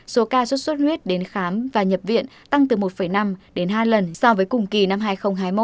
số ca sốt xuất huyết đến khám và nhập viện tăng từ một năm đến hai lần so với cùng kỳ năm hai nghìn hai mươi một